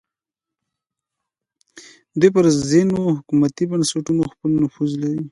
دوی پر ځینو حکومتي بنسټونو خپل نفوذ لري